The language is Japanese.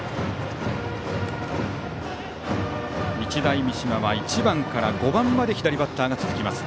日大三島は１番から５番まで左バッターが続きます。